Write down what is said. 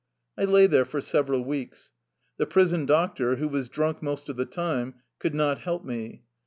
I lay there for several weeks. The prison doc tor, who was drunk most of the time, could not help me.